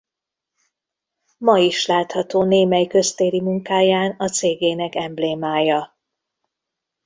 Ma is látható némely köztéri munkáján a cégének emblémája.